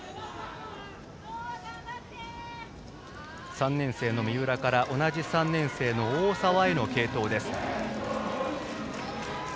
３年生の三浦から同じ３年生の大沢への継投です。